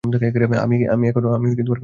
আমি এখনো প্রস্তুত নই!